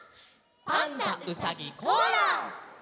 「パンダうさぎコアラ」！